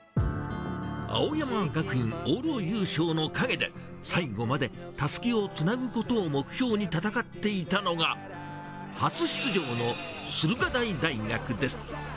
青山学院往路優勝の陰で、最後までたすきをつなげることを目標に戦っていたのが、初出場の駿河台大学です。